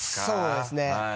そうですね。